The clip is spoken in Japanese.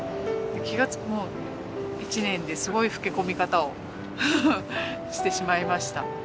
気がつくと１年ですごい老け込み方をしてしまいました。